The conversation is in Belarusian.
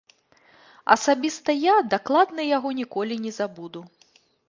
Асабіста я дакладна яго ніколі не забуду.